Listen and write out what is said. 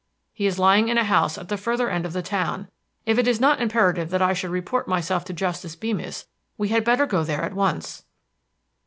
He is lying in a house at the further end of the town. If it is not imperative that I should report myself to Justice Beemis, we had better go there at once."